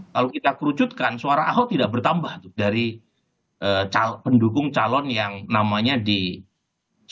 kalau kita kerucutkan suara ahok tidak bertambah dari pendukung calon yang namanya dipilih